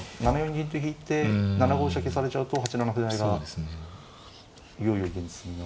銀と引いて７五飛車消されちゃうと８七歩成がいよいよ現実味が。